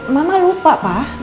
mama lupa pak beneran lupa